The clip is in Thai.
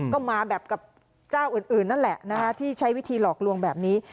ก็มาแบบกับเจ้าอื่นนั่นแหละที่ใช้วิธีหลอกลวงแบบนี้